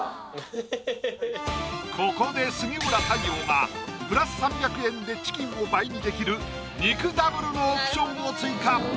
ここで杉浦太陽が＋３００円でチキンを倍にできる肉ダブルのオプションを追加